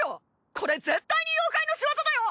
これ絶対に妖怪のしわざだよ！